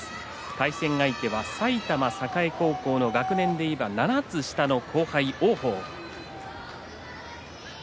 対戦相手は埼玉栄高校の学年で言えば１個下の後輩、王鵬。